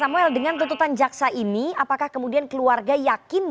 samuel dengan tuntutan jaksa ini apakah kemudian keluarga yakin